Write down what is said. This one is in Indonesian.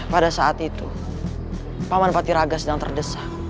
pada saat itu paman patiraga sedang terdesak